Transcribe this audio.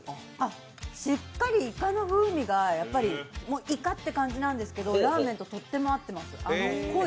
しっかりイカの風味がイカっ！って感じなんですけどラーメンととっても合ってます。